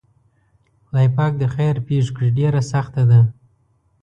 خدای پاک دې خیر پېښ کړي ډېره سخته ده.